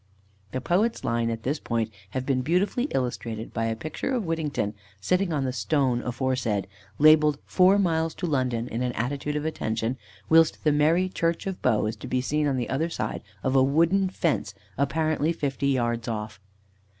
'" The poet's lines at this point have been beautifully illustrated by a picture of Whittington, sitting on the stone aforesaid, labelled "four miles to London," in an attitude of attention, whilst the merry church of Bow is to be seen on the other side of a wooden fence, apparently fifty yards off.